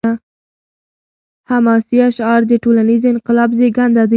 حماسي اشعار د ټولنیز انقلاب زیږنده دي.